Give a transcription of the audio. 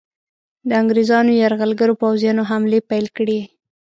د انګریزانو یرغلګرو پوځیانو حملې پیل کړې.